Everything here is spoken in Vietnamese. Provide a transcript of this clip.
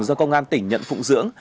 do công an tỉnh nhận phụng dưỡng